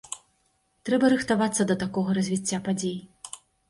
Трэба рыхтавацца да такога развіцця падзей.